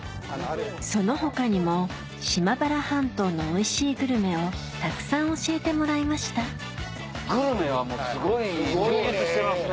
その他にも島原半島のおいしいグルメをたくさん教えてもらいましたグルメはもうすごい充実してますね。